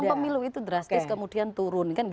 pemilu itu drastis kemudian turun